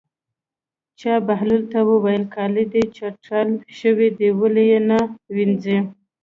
چا بهلول ته وویل: کالي دې چټل شوي دي ولې یې نه وینځې.